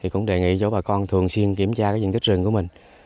cũng đề nghị cho bà con thường xuyên kiểm tra diện tích rừng của mình